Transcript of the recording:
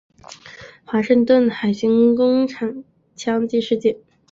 华盛顿海军工厂枪击事件是美国一处海军营区的枪击案。